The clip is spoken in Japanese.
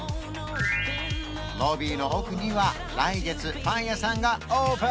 ロビーの奥には来月パン屋さんがオープン！